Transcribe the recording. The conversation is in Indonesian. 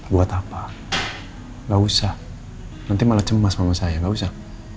buat apa gak usah nanti malah cemas mama saya gak usah